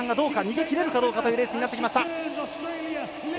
逃げきれるかどうかというレースになってきました。